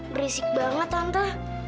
berisik banget tante